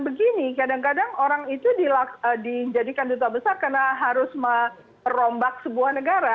begini kadang kadang orang itu dijadikan duta besar karena harus merombak sebuah negara